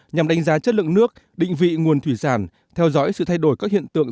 nhằm đánh giá chất lượng nước định vị nguồn thủy sản theo dõi sự thay đổi các hiện tượng